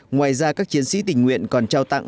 ngoài ra các chiến sĩ tình nguyện còn trao tặng